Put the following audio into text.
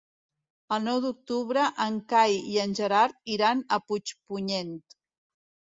El nou d'octubre en Cai i en Gerard iran a Puigpunyent.